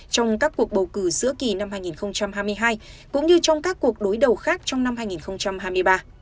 trong các cuộc bầu cử giữa kỳ năm hai nghìn hai mươi hai cũng như trong các cuộc đối đầu khác trong năm hai nghìn hai mươi ba